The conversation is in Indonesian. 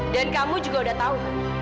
dan kamu juga sudah tahu